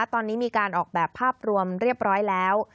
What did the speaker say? ตอนนี้มีการออกแบบภาพรวมเรียบร้อยแล้ว